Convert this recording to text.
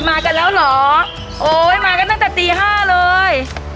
มากันแล้วเหรอโอ้ยมากันตั้งแต่ตีห้าเลย